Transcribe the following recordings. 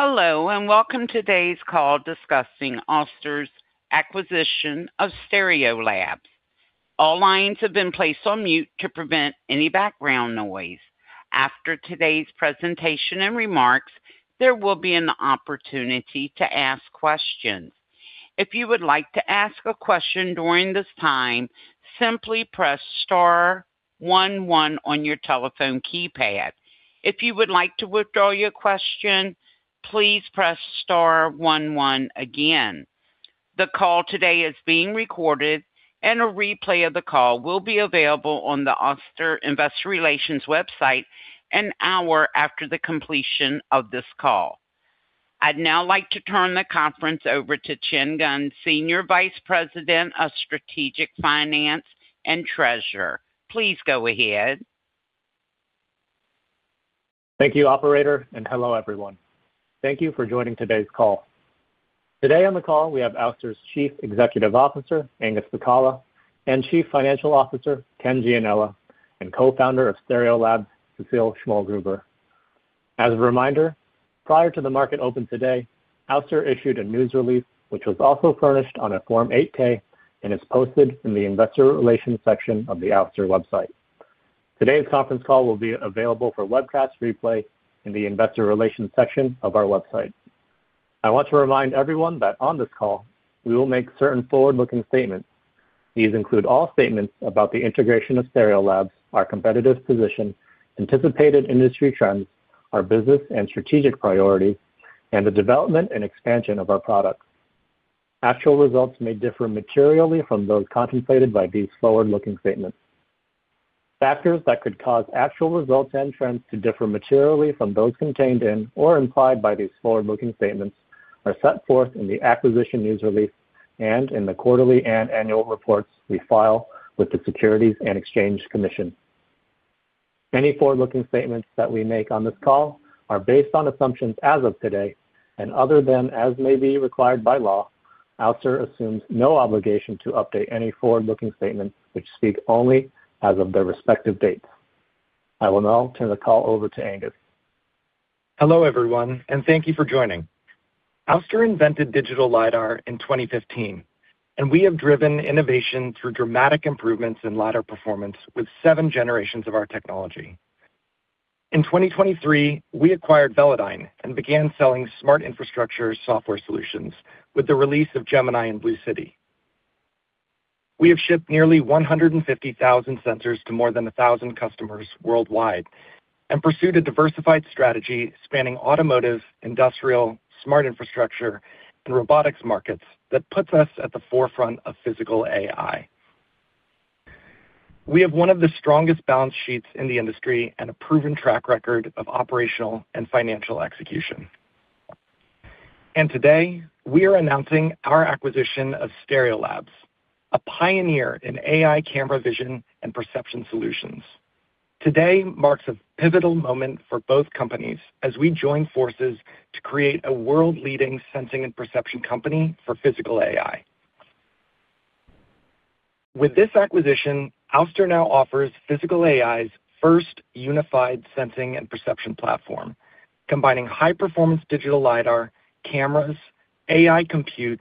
Hello and welcome to today's call discussing Ouster's acquisition of Stereolabs. All lines have been placed on mute to prevent any background noise. After today's presentation and remarks, there will be an opportunity to ask questions. If you would like to ask a question during this time, simply press star one one on your telephone keypad. If you would like to withdraw your question, please press star one one again. The call today is being recorded, and a replay of the call will be available on the Ouster Investor Relations website an hour after the completion of this call. I'd now like to turn the conference over to Chen Geng, Senior Vice President of Strategic Finance and Treasurer. Please go ahead. Thank you, Operator, and hello everyone. Thank you for joining today's call. Today on the call we have Ouster's Chief Executive Officer, Angus Pacala, and Chief Financial Officer, Ken Gianella, and co-founder of Stereolabs, Cecile Schmollgruber. As a reminder, prior to the market open today, Ouster issued a news release which was also furnished on a Form 8-K and is posted in the Investor Relations section of the Ouster website. Today's conference call will be available for webcast replay in the Investor Relations section of our website. I want to remind everyone that on this call we will make certain forward-looking statements. These include all statements about the integration of Stereolabs, our competitive position, anticipated industry trends, our business and strategic priorities, and the development and expansion of our products. Actual results may differ materially from those contemplated by these forward-looking statements. Factors that could cause actual results and trends to differ materially from those contained in or implied by these forward-looking statements are set forth in the acquisition news release and in the quarterly and annual reports we file with the Securities and Exchange Commission. Any forward-looking statements that we make on this call are based on assumptions as of today, and other than as may be required by law, Ouster assumes no obligation to update any forward-looking statements which speak only as of their respective dates. I will now turn the call over to Angus. Hello everyone, and thank you for joining. Ouster invented Digital LiDAR in 2015, and we have driven innovation through dramatic improvements in LiDAR performance with seven generations of our technology. In 2023, we acquired Velodyne and began selling smart infrastructure software solutions with the release of Gemini and Blue City. We have shipped nearly 150,000 sensors to more than 1,000 customers worldwide and pursued a diversified strategy spanning automotive, industrial, smart infrastructure, and robotics markets that puts us at the forefront of Physical AI. We have one of the strongest balance sheets in the industry and a proven track record of operational and financial execution. And today, we are announcing our acquisition of Stereolabs, a pioneer in AI camera vision and perception solutions. Today marks a pivotal moment for both companies as we join forces to create a world-leading sensing and perception company for Physical AI. With this acquisition, Ouster now offers physical AI's first unified sensing and perception platform, combining high-performance digital LiDAR, cameras, AI compute,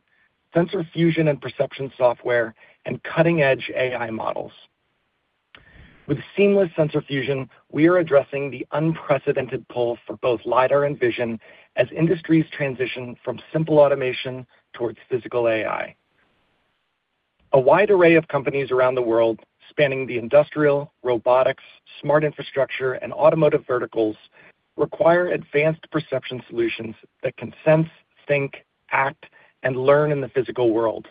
sensor fusion and perception software, and cutting-edge AI models. With seamless sensor fusion, we are addressing the unprecedented pull for both LiDAR and vision as industries transition from simple automation towards physical AI. A wide array of companies around the world, spanning the industrial, robotics, smart infrastructure, and automotive verticals, require advanced perception solutions that can sense, think, act, and learn in the physical world.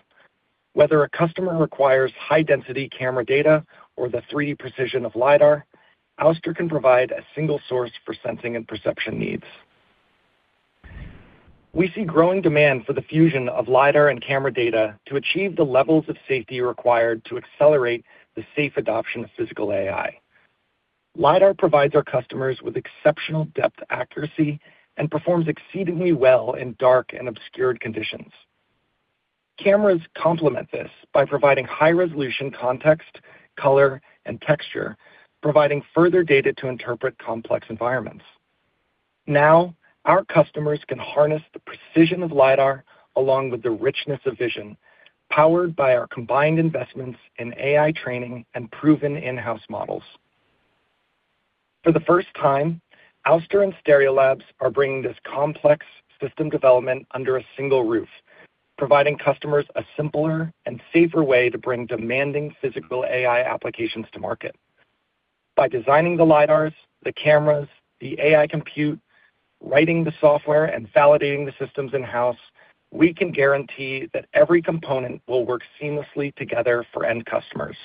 Whether a customer requires high-density camera data or the 3D precision of LiDAR, Ouster can provide a single source for sensing and perception needs. We see growing demand for the fusion of LiDAR and camera data to achieve the levels of safety required to accelerate the safe adoption of physical AI. LiDAR provides our customers with exceptional depth accuracy and performs exceedingly well in dark and obscured conditions. Cameras complement this by providing high-resolution context, color, and texture, providing further data to interpret complex environments. Now, our customers can harness the precision of LiDAR along with the richness of vision, powered by our combined investments in AI training and proven in-house models. For the first time, Ouster and Stereolabs are bringing this complex system development under a single roof, providing customers a simpler and safer way to bring demanding Physical AI applications to market. By designing the LiDARs, the cameras, the AI compute, writing the software, and validating the systems in-house, we can guarantee that every component will work seamlessly together for end customers.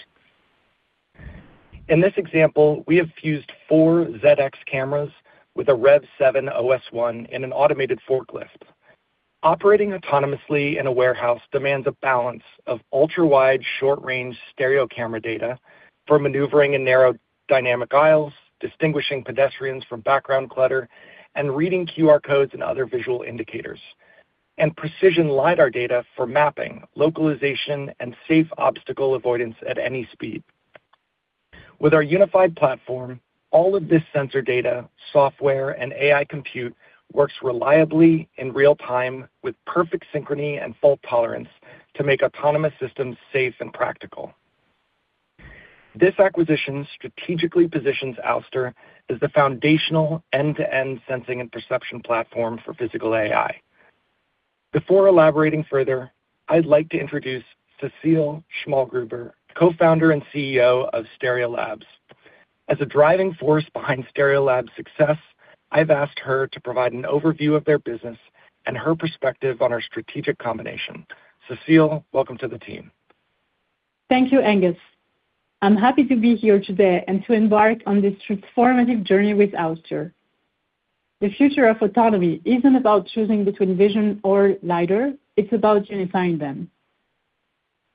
In this example, we have fused four ZED X cameras with a REV7 OS1 in an automated forklift. Operating autonomously in a warehouse demands a balance of ultra-wide short-range stereo camera data for maneuvering in narrow dynamic aisles, distinguishing pedestrians from background clutter, and reading QR codes and other visual indicators, and precision LiDAR data for mapping, localization, and safe obstacle avoidance at any speed. With our unified platform, all of this sensor data, software, and AI compute works reliably in real time with perfect synchrony and fault tolerance to make autonomous systems safe and practical. This acquisition strategically positions Ouster as the foundational end-to-end sensing and perception platform for physical AI. Before elaborating further, I'd like to introduce Cecile Schmollgruber, Co-founder and CEO of Stereolabs. As a driving force behind Stereolabs' success, I've asked her to provide an overview of their business and her perspective on our strategic combination. Cecile, welcome to the team. Thank you, Angus. I'm happy to be here today and to embark on this transformative journey with Ouster. The future of autonomy isn't about choosing between vision or LiDAR, it's about unifying them.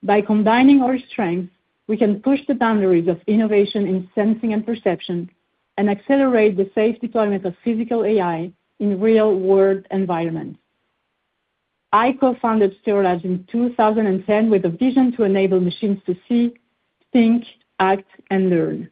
By combining our strengths, we can push the boundaries of innovation in sensing and perception and accelerate the safe deployment of physical AI in real-world environments. I co-founded Stereolabs in 2010 with a vision to enable machines to see, think, act, and learn.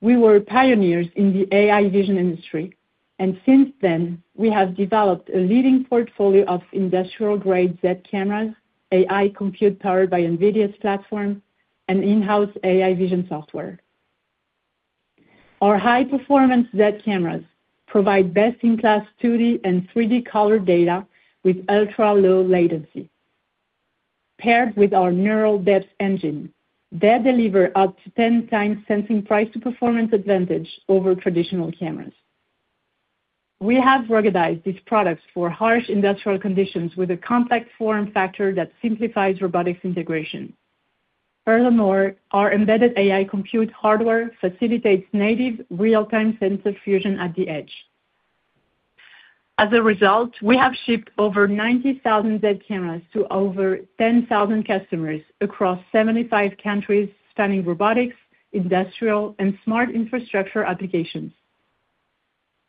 We were pioneers in the AI vision industry, and since then, we have developed a leading portfolio of industrial-grade ZED cameras, AI compute powered by NVIDIA's platform, and in-house AI vision software. Our high-performance ZED cameras provide best-in-class 2D and 3D color data with ultra-low latency. Paired with our Neural Depth Engine, they deliver up to 10 times sensing price-to-performance advantage over traditional cameras. We have ruggedized these products for harsh industrial conditions with a compact form factor that simplifies robotics integration. Furthermore, our embedded AI compute hardware facilitates native real-time sensor fusion at the edge. As a result, we have shipped over 90,000 ZED cameras to over 10,000 customers across 75 countries spanning robotics, industrial, and smart infrastructure applications.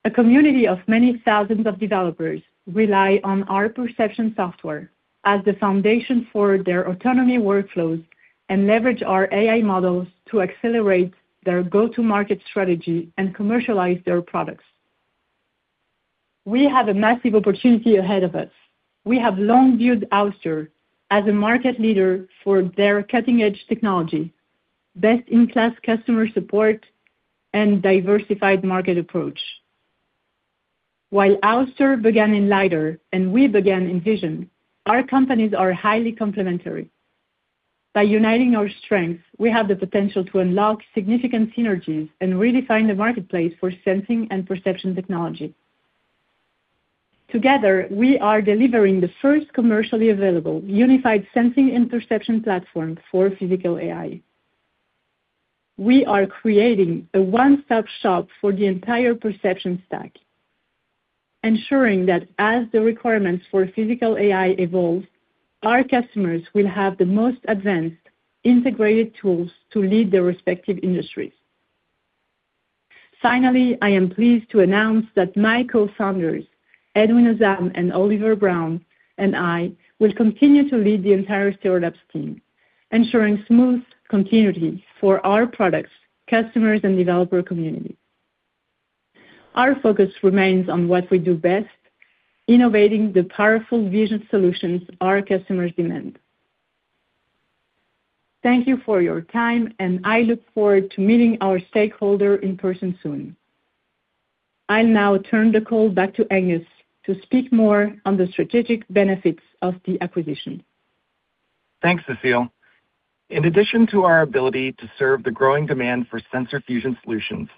A community of many thousands of developers rely on our perception software as the foundation for their autonomy workflows and leverage our AI models to accelerate their go-to-market strategy and commercialize their products. We have a massive opportunity ahead of us. We have long viewed Ouster as a market leader for their cutting-edge technology, best-in-class customer support, and diversified market approach. While Ouster began in LiDAR and we began in vision, our companies are highly complementary. By uniting our strengths, we have the potential to unlock significant synergies and redefine the marketplace for sensing and perception technology. Together, we are delivering the first commercially available unified sensing and perception platform for Physical AI. We are creating a one-stop shop for the entire perception stack, ensuring that as the requirements for Physical AI evolve, our customers will have the most advanced integrated tools to lead their respective industries. Finally, I am pleased to announce that my co-founders, Edwin Azzam and Olivier Braun, and I will continue to lead the entire Stereolabs team, ensuring smooth continuity for our products, customers, and developer communities. Our focus remains on what we do best: innovating the powerful vision solutions our customers demand. Thank you for your time, and I look forward to meeting our stakeholder in person soon. I'll now turn the call back to Angus to speak more on the strategic benefits of the acquisition. Thanks, Cecile. In addition to our ability to serve the growing demand for sensor fusion solutions,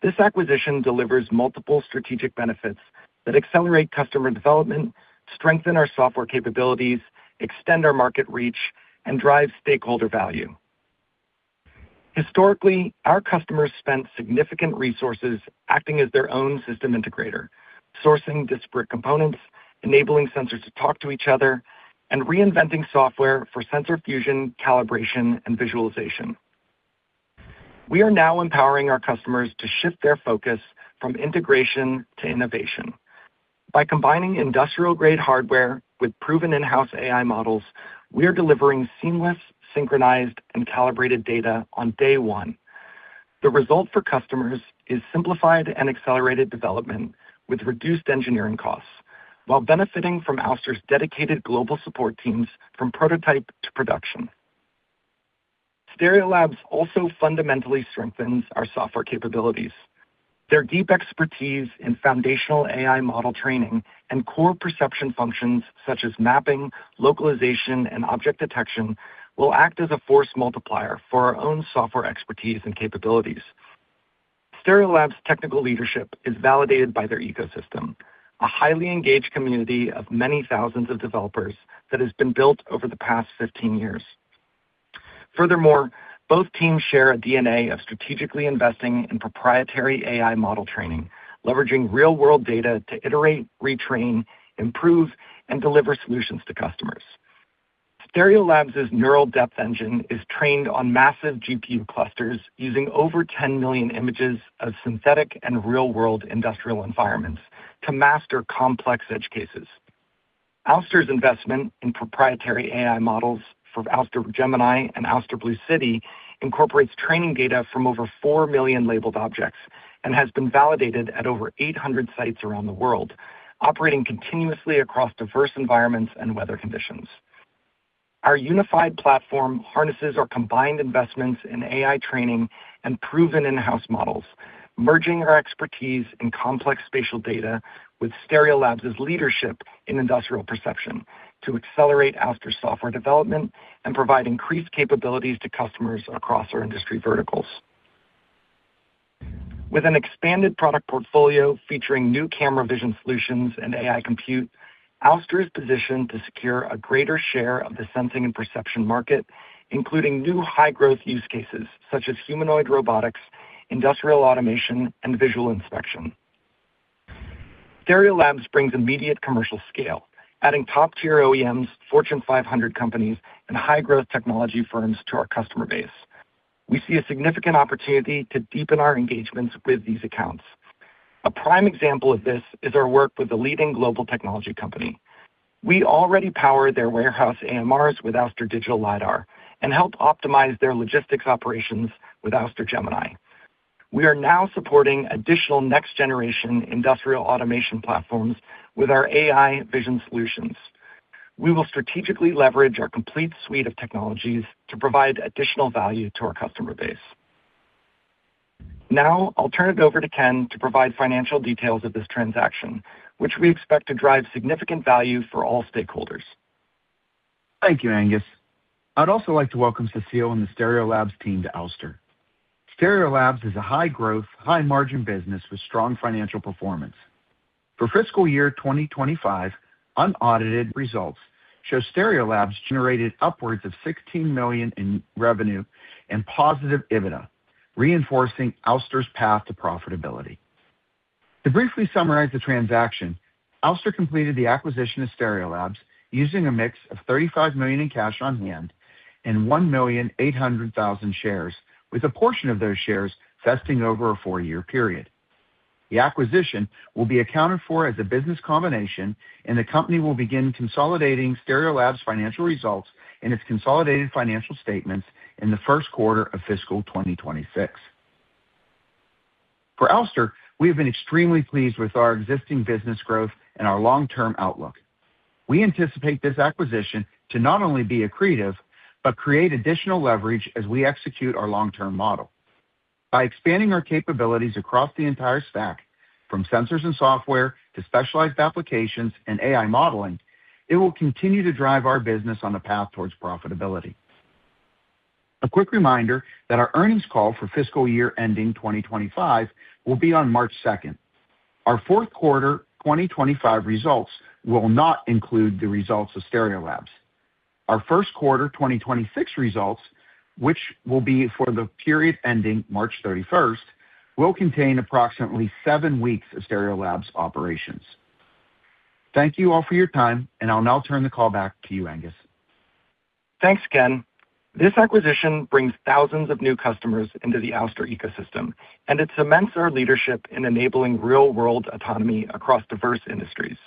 this acquisition delivers multiple strategic benefits that accelerate customer development, strengthen our software capabilities, extend our market reach, and drive stakeholder value. Historically, our customers spent significant resources acting as their own system integrator, sourcing disparate components, enabling sensors to talk to each other, and reinventing software for sensor fusion, calibration, and visualization. We are now empowering our customers to shift their focus from integration to innovation. By combining industrial-grade hardware with proven in-house AI models, we are delivering seamless, synchronized, and calibrated data on day one. The result for customers is simplified and accelerated development with reduced engineering costs while benefiting from Ouster's dedicated global support teams from prototype to production. Stereolabs also fundamentally strengthens our software capabilities. Their deep expertise in foundational AI model training and core perception functions such as mapping, localization, and object detection will act as a force multiplier for our own software expertise and capabilities. Stereolabs' technical leadership is validated by their ecosystem, a highly engaged community of many thousands of developers that has been built over the past 15 years. Furthermore, both teams share a DNA of strategically investing in proprietary AI model training, leveraging real-world data to iterate, retrain, improve, and deliver solutions to customers. Stereolabs' Neural Depth Engine is trained on massive GPU clusters using over 10 million images of synthetic and real-world industrial environments to master complex edge cases. Ouster's investment in proprietary AI models for Ouster Gemini and Ouster Blue City incorporates training data from over 4 million labeled objects and has been validated at over 800 sites around the world, operating continuously across diverse environments and weather conditions. Our unified platform harnesses our combined investments in AI training and proven in-house models, merging our expertise in complex spatial data with Stereolabs' leadership in industrial perception to accelerate Ouster's software development and provide increased capabilities to customers across our industry verticals. With an expanded product portfolio featuring new camera vision solutions and AI compute, Ouster is positioned to secure a greater share of the sensing and perception market, including new high-growth use cases such as humanoid robotics, industrial automation, and visual inspection. Stereolabs brings immediate commercial scale, adding top-tier OEMs, Fortune 500 companies, and high-growth technology firms to our customer base. We see a significant opportunity to deepen our engagements with these accounts. A prime example of this is our work with a leading global technology company. We already power their warehouse AMRs with Ouster Digital LiDAR and help optimize their logistics operations with Ouster Gemini. We are now supporting additional next-generation industrial automation platforms with our AI vision solutions. We will strategically leverage our complete suite of technologies to provide additional value to our customer base. Now, I'll turn it over to Ken to provide financial details of this transaction, which we expect to drive significant value for all stakeholders. Thank you, Angus. I'd also like to welcome Cecile and the Stereolabs team to Ouster. Stereolabs is a high-growth, high-margin business with strong financial performance. For fiscal year 2025, unaudited results show Stereolabs generated upwards of $16 million in revenue and positive EBITDA, reinforcing Ouster's path to profitability. To briefly summarize the transaction, Ouster completed the acquisition of Stereolabs using a mix of $35 million in cash on hand and 1,800,000 shares, with a portion of those shares vesting over a four-year period. The acquisition will be accounted for as a business combination, and the company will begin consolidating Stereolabs' financial results and its consolidated financial statements in the first quarter of fiscal 2026. For Ouster, we have been extremely pleased with our existing business growth and our long-term outlook. We anticipate this acquisition to not only be accretive but create additional leverage as we execute our long-term model. By expanding our capabilities across the entire stack, from sensors and software to specialized applications and AI modeling, it will continue to drive our business on a path towards profitability. A quick reminder that our earnings call for fiscal year ending 2025 will be on March 2nd. Our fourth quarter 2025 results will not include the results of Stereolabs. Our first quarter 2026 results, which will be for the period ending March 31st, will contain approximately seven weeks of Stereolabs operations. Thank you all for your time, and I'll now turn the call back to you, Angus. Thanks, Ken. This acquisition brings thousands of new customers into the Ouster ecosystem, and it cements our leadership in enabling real-world autonomy across diverse industries.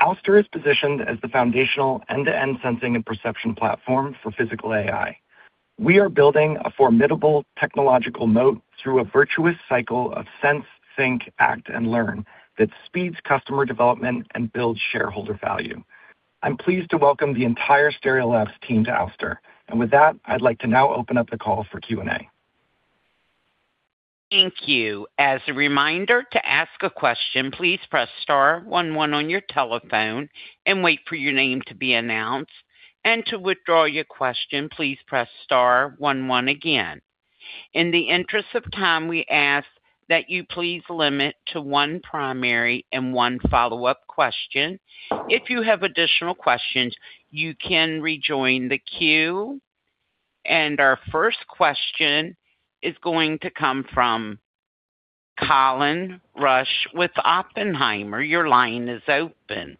Ouster is positioned as the foundational end-to-end sensing and perception platform for physical AI. We are building a formidable technological moat through a virtuous cycle of sense, think, act, and learn that speeds customer development and builds shareholder value. I'm pleased to welcome the entire Stereolabs team to Ouster. With that, I'd like to now open up the call for Q&A. Thank you. As a reminder to ask a question, please press star one one on your telephone and wait for your name to be announced. To withdraw your question, please press star one one again. In the interest of time, we ask that you please limit to one primary and one follow-up question. If you have additional questions, you can rejoin the queue. Our first question is going to come from Colin Rusch with Oppenheimer. Your line is open.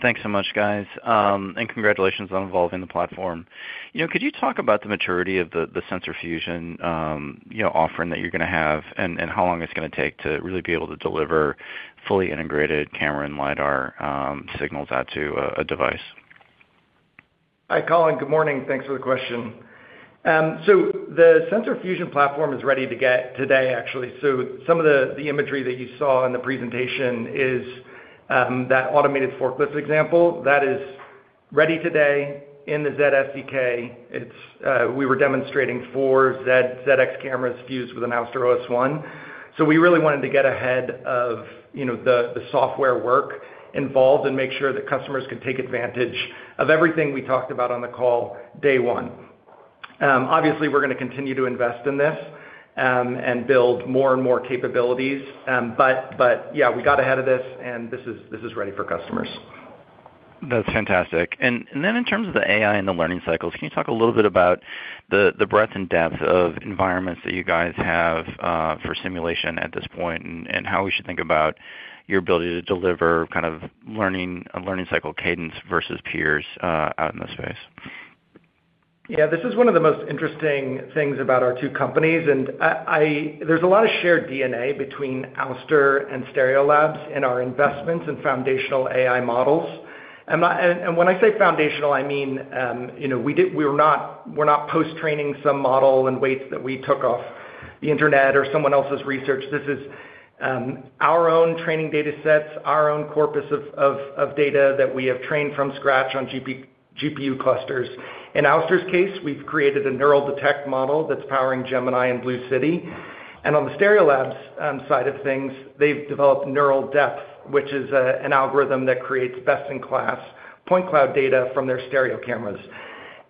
Thanks so much, guys, and congratulations on involving the platform. Could you talk about the maturity of the sensor fusion offering that you're going to have and how long it's going to take to really be able to deliver fully integrated camera and LiDAR signals out to a device? Hi, Colin. Good morning. Thanks for the question. So the sensor fusion platform is ready to get today, actually. So some of the imagery that you saw in the presentation is that automated forklift example. That is ready today in the ZED SDK. We were demonstrating four ZED X cameras fused with an Ouster OS1. So we really wanted to get ahead of the software work involved and make sure that customers could take advantage of everything we talked about on the call day one. Obviously, we're going to continue to invest in this and build more and more capabilities. But yeah, we got ahead of this, and this is ready for customers. That's fantastic. Then in terms of the AI and the learning cycles, can you talk a little bit about the breadth and depth of environments that you guys have for simulation at this point and how we should think about your ability to deliver kind of learning cycle cadence versus peers out in the space? Yeah, this is one of the most interesting things about our two companies. There's a lot of shared DNA between Ouster and Stereolabs in our investments in foundational AI models. When I say foundational, I mean we're not post-training some model in ways that we took off the internet or someone else's research. This is our own training datasets, our own corpus of data that we have trained from scratch on GPU clusters. In Ouster's case, we've created a neural detect model that's powering Gemini and Blue City. On the Stereolabs side of things, they've developed Neural Depth, which is an algorithm that creates best-in-class point cloud data from their stereo cameras.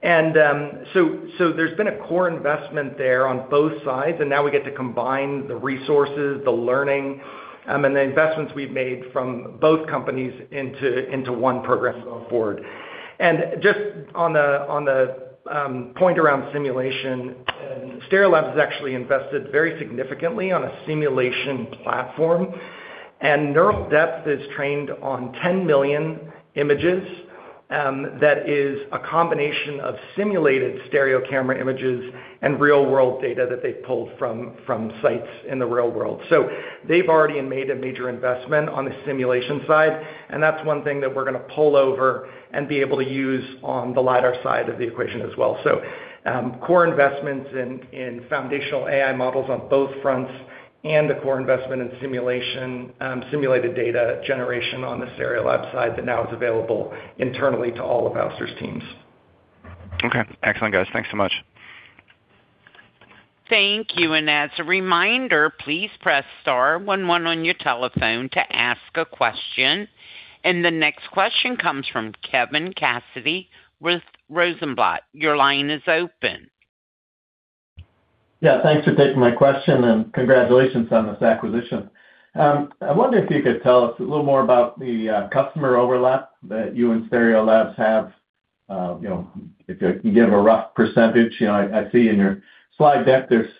There's been a core investment there on both sides, and now we get to combine the resources, the learning, and the investments we've made from both companies into one program going forward. Just on the point around simulation, Stereolabs has actually invested very significantly on a simulation platform. Neural Depth is trained on 10 million images. That is a combination of simulated stereo camera images and real-world data that they've pulled from sites in the real world. So they've already made a major investment on the simulation side, and that's one thing that we're going to pull over and be able to use on the LiDAR side of the equation as well. So core investments in foundational AI models on both fronts and a core investment in simulated data generation on the Stereolabs side that now is available internally to all of Ouster's teams. Okay. Excellent, guys. Thanks so much. Thank you. And as a reminder, please press star one one on your telephone to ask a question. And the next question comes from Kevin Cassidy with Rosenblatt. Your line is open. Yeah, thanks for taking my question, and congratulations on this acquisition. I wonder if you could tell us a little more about the customer overlap that you and Stereolabs have. If you can give a rough percentage. I see in your slide deck, there's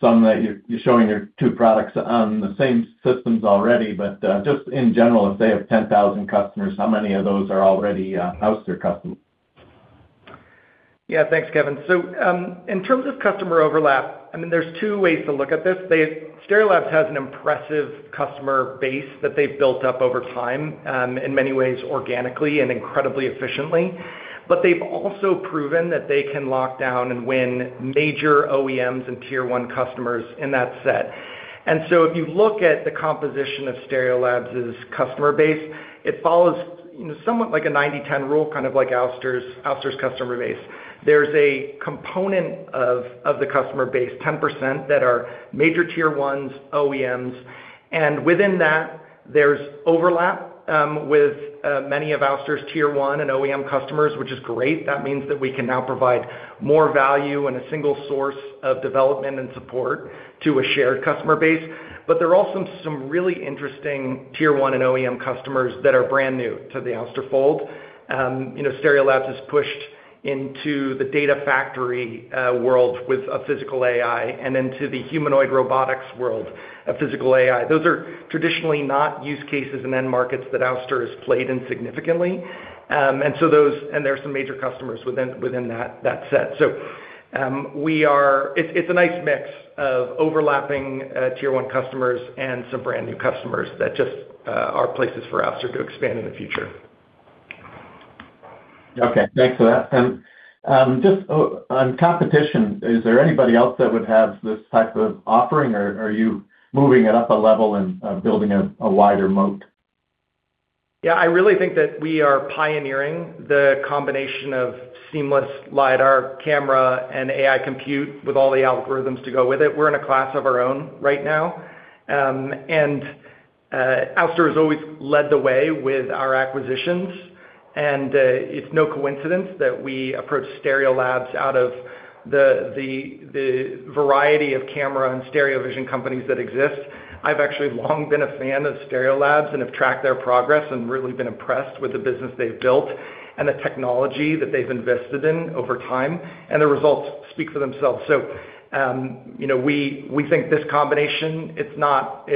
some that you're showing your two products on the same systems already. But just in general, if they have 10,000 customers, how many of those are already Ouster customers? Yeah, thanks, Kevin. So in terms of customer overlap, I mean, there's two ways to look at this. Stereolabs has an impressive customer base that they've built up over time, in many ways organically and incredibly efficiently. But they've also proven that they can lock down and win major OEMs and Tier 1 customers in that set. And so if you look at the composition of Stereolabs' customer base, it follows somewhat like a 90/10 rule, kind of like Ouster's customer base. There's a component of the customer base, 10%, that are major Tier 1 OEMs. And within that, there's overlap with many of Ouster's Tier 1 and OEM customers, which is great. That means that we can now provide more value in a single source of development and support to a shared customer base. There are also some really interesting Tier 1and OEM customers that are brand new to the Ouster fold. Stereolabs has pushed into the data factory world with a physical AI and into the humanoid robotics world, a physical AI. Those are traditionally not use cases and end markets that Ouster has played in significantly. There are some major customers within that set. It's a nice mix of overlapping tier one customers and some brand new customers that just are places for Ouster to expand in the future. Okay. Thanks for that. Just on competition, is there anybody else that would have this type of offering, or are you moving it up a level and building a wider moat? Yeah, I really think that we are pioneering the combination of seamless LiDAR camera and AI compute with all the algorithms to go with it. We're in a class of our own right now. And Ouster has always led the way with our acquisitions. And it's no coincidence that we approach Stereolabs out of the variety of camera and stereo vision companies that exist. I've actually long been a fan of Stereolabs and have tracked their progress and really been impressed with the business they've built and the technology that they've invested in over time. And the results speak for themselves. So we think this combination, it's not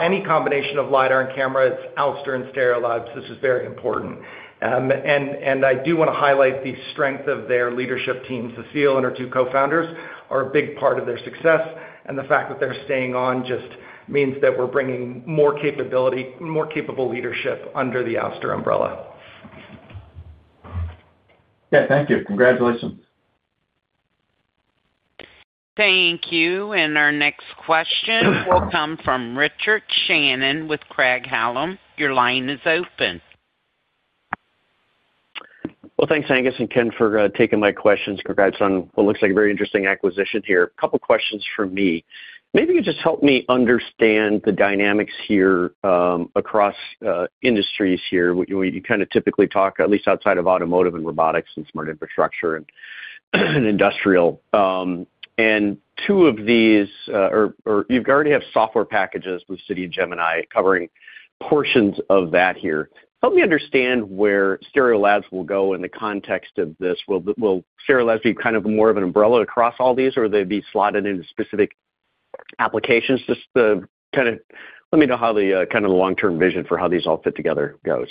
any combination of LiDAR and camera. It's Ouster and Stereolabs. This is very important. And I do want to highlight the strength of their leadership team. Cecile and her two co-founders are a big part of their success. The fact that they're staying on just means that we're bringing more capable leadership under the Ouster umbrella. Yeah, thank you. Congratulations. Thank you. Our next question will come from Richard Shannon with Craig-Hallum. Your line is open. Well, thanks, Angus and Ken, for taking my questions. Congrats on what looks like a very interesting acquisition here. A couple of questions from me. Maybe you could just help me understand the dynamics here across industries here. You kind of typically talk, at least outside of automotive and robotics and smart infrastructure and industrial. And two of these or you already have software packages, Blue City and Gemini, covering portions of that here. Help me understand where Stereolabs will go in the context of this. Will Stereolabs be kind of more of an umbrella across all these, or will they be slotted into specific applications? Just kind of let me know how the kind of the long-term vision for how these all fit together goes.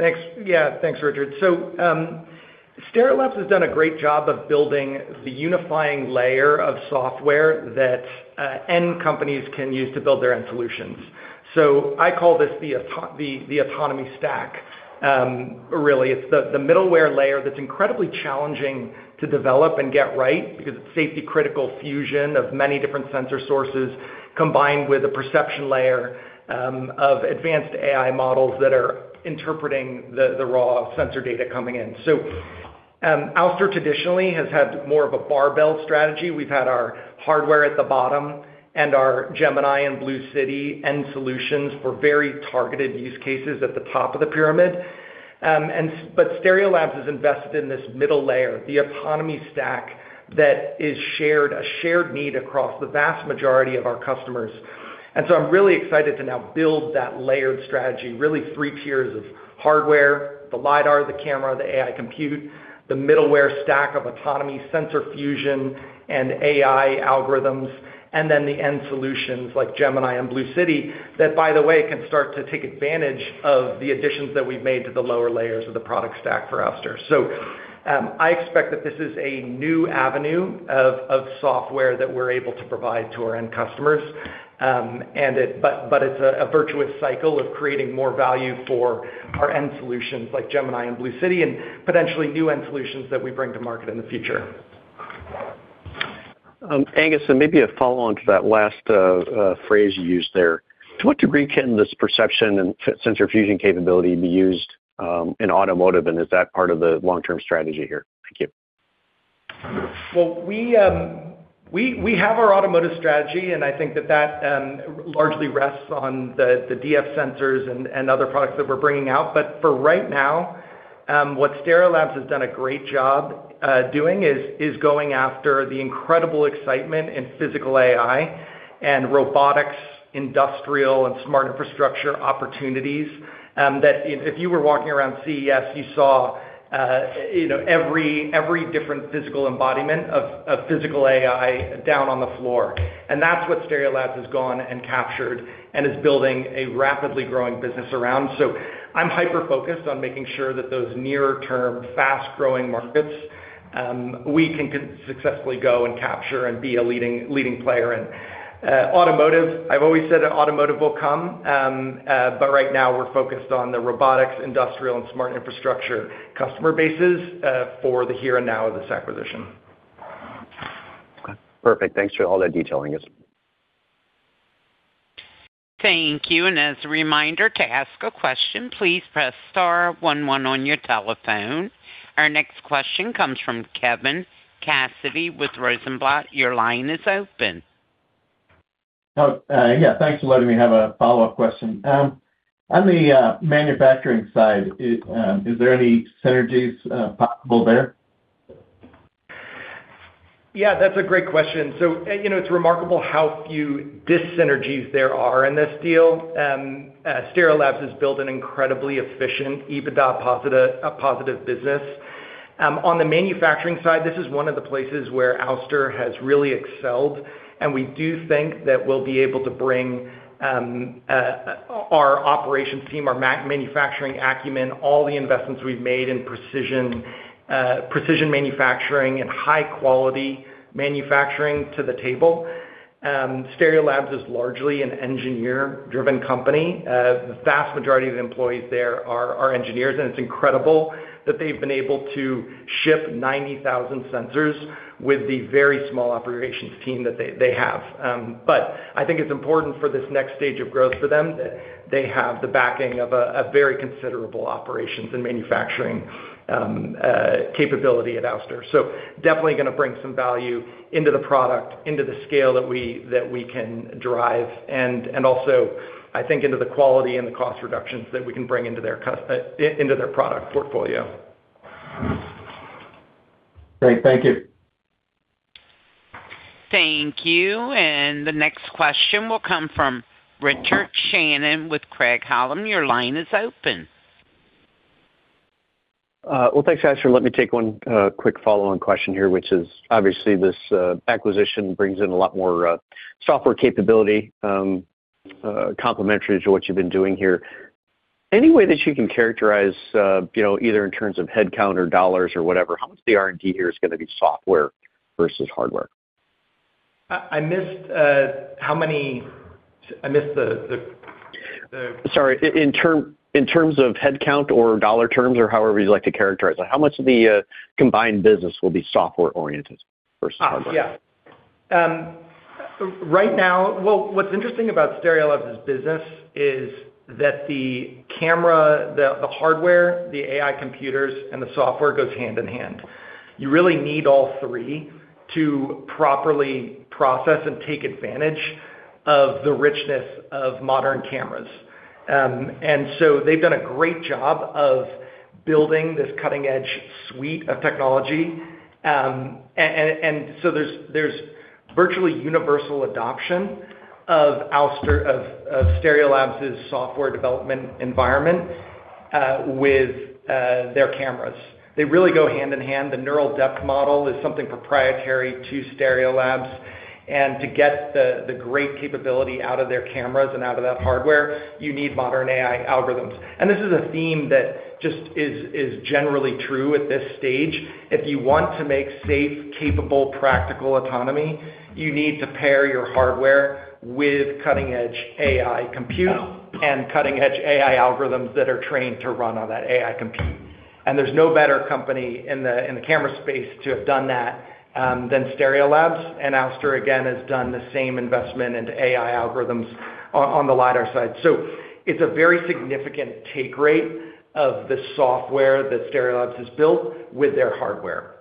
Yeah, thanks, Richard. So Stereolabs has done a great job of building the unifying layer of software that end companies can use to build their end solutions. So I call this the autonomy stack, really. It's the middleware layer that's incredibly challenging to develop and get right because it's safety-critical fusion of many different sensor sources combined with a perception layer of advanced AI models that are interpreting the raw sensor data coming in. So Ouster traditionally has had more of a barbell strategy. We've had our hardware at the bottom and our Gemini and Blue City end solutions for very targeted use cases at the top of the pyramid. But Stereolabs has invested in this middle layer, the autonomy stack that is shared, a shared need across the vast majority of our customers. So I'm really excited to now build that layered strategy, really three tiers of hardware, the LiDAR, the camera, the AI compute, the middleware stack of autonomy, sensor fusion, and AI algorithms, and then the end solutions like Gemini and Blue City that, by the way, can start to take advantage of the additions that we've made to the lower layers of the product stack for Ouster. So I expect that this is a new avenue of software that we're able to provide to our end customers. But it's a virtuous cycle of creating more value for our end solutions like Gemini and Blue City and potentially new end solutions that we bring to market in the future. Angus, and maybe a follow-on to that last phrase you used there. To what degree can this perception and sensor fusion capability be used in automotive, and is that part of the long-term strategy here? Thank you. Well, we have our automotive strategy, and I think that that largely rests on the DF sensors and other products that we're bringing out. But for right now, what Stereolabs has done a great job doing is going after the incredible excitement in Physical AI and robotics, industrial, and smart infrastructure opportunities that if you were walking around CES, you saw every different physical embodiment of Physical AI down on the floor. And that's what Stereolabs has gone and captured and is building a rapidly growing business around. So I'm hyper-focused on making sure that those near-term, fast-growing markets, we can successfully go and capture and be a leading player. And automotive, I've always said automotive will come. But right now, we're focused on the robotics, industrial, and smart infrastructure customer bases for the here and now of this acquisition. Okay. Perfect. Thanks for all that detail, Angus. Thank you. And as a reminder, to ask a question, please press star one one on your telephone. Our next question comes from Kevin Cassidy with Rosenblatt. Your line is open. Yeah, thanks for letting me have a follow-up question. On the manufacturing side, is there any synergies possible there? Yeah, that's a great question. So it's remarkable how few dis-synergies there are in this deal. Stereolabs has built an incredibly efficient EBITDA-positive business. On the manufacturing side, this is one of the places where Ouster has really excelled. And we do think that we'll be able to bring our operations team, our manufacturing acumen, all the investments we've made in precision manufacturing and high-quality manufacturing to the table. Stereolabs is largely an engineer-driven company. The vast majority of the employees there are engineers. And it's incredible that they've been able to ship 90,000 sensors with the very small operations team that they have. But I think it's important for this next stage of growth for them that they have the backing of a very considerable operations and manufacturing capability at Ouster. Definitely going to bring some value into the product, into the scale that we can drive, and also, I think, into the quality and the cost reductions that we can bring into their product portfolio. Great. Thank you. Thank you. And the next question will come from Richard Shannon with Craig-Hallum. Your line is open. Well, thanks, Angus. Let me take one quick follow-on question here, which is obviously, this acquisition brings in a lot more software capability complementary to what you've been doing here. Any way that you can characterize, either in terms of headcount or dollars or whatever, how much of the R&D here is going to be software versus hardware? I missed how many. I missed the. Sorry. In terms of headcount or dollar terms or however you'd like to characterize it, how much of the combined business will be software-oriented versus hardware? Yeah. Well, what's interesting about Stereolabs' business is that the camera, the hardware, the AI computers, and the software goes hand in hand. You really need all three to properly process and take advantage of the richness of modern cameras. And so they've done a great job of building this cutting-edge suite of technology. And so there's virtually universal adoption of Stereolabs' software development environment with their cameras. They really go hand in hand. The Neural Depth model is something proprietary to Stereolabs. And to get the great capability out of their cameras and out of that hardware, you need modern AI algorithms. And this is a theme that just is generally true at this stage. If you want to make safe, capable, practical autonomy, you need to pair your hardware with cutting-edge AI compute and cutting-edge AI algorithms that are trained to run on that AI compute. There's no better company in the camera space to have done that than Stereolabs. Ouster, again, has done the same investment into AI algorithms on the LiDAR side. It's a very significant take rate of the software that Stereolabs has built with their hardware.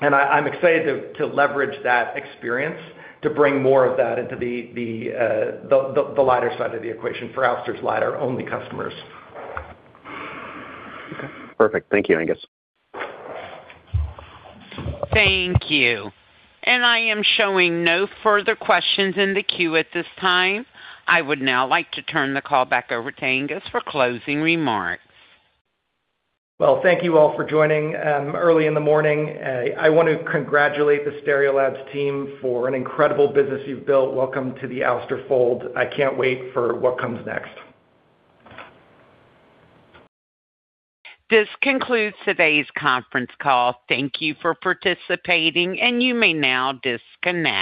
I'm excited to leverage that experience to bring more of that into the LiDAR side of the equation for Ouster's LiDAR-only customers. Okay. Perfect. Thank you, Angus. Thank you. I am showing no further questions in the queue at this time. I would now like to turn the call back over to Angus for closing remarks. Well, thank you all for joining early in the morning. I want to congratulate the Stereolabs team for an incredible business you've built. Welcome to the Ouster fold. I can't wait for what comes next. This concludes today's conference call. Thank you for participating, and you may now disconnect.